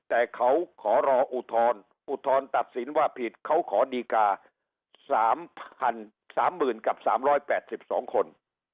แต่เค้าขอรออุทธรณอุทธรณตัดสินว่าผิดเค้าขอดีกา๓๓๘๒คน